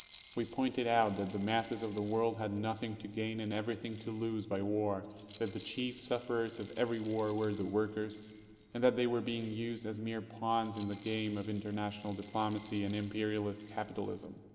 We pointed out that the masses of the world had nothing to gain and everything to lose by war; that the chief sufferers of every war were the workers, and that they were being used as mere pawns in the game of international diplomacy and imperialist capitalism.